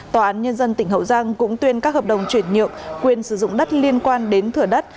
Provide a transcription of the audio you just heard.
tòa án nhân dân tỉnh hậu giang cũng tuyên các hợp đồng chuyển nhượng quyền sử dụng đất liên quan đến thửa đất